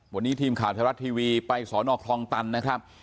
วันนี้ทีมขาวธรรมชาติทวีไปสอนอกคลองตันนะครับ